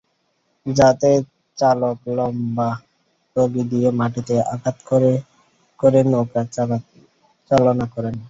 যাতে চালক লম্বা লগি দিয়ে মাটিতে আঘাত করে করে নৌকা চালনা করেন।